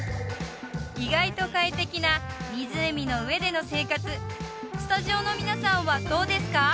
意外と快適な湖の上での生活スタジオの皆さんはどうですか？